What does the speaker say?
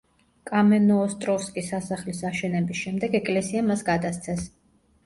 კამენოოსტროვსკის სასახლის აშენების შემდეგ ეკლესია მას გადასცეს.